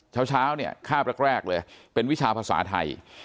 เช้าเนี่ยคาบแรกเลยเป็นวิชาภาษาไทย